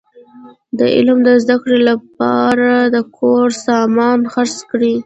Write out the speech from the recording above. د علم د زده کړي له پاره د کور سامان خرڅ کړئ!